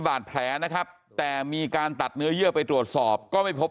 บาดแผลนะครับแต่มีการตัดเนื้อเยื่อไปตรวจสอบก็ไม่พบ